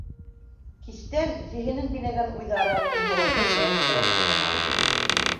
Кистән зиһенен биләгән уйҙары Көнһылыуҙы дәрестә лә ташламаны.